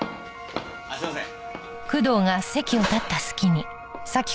ああすいません。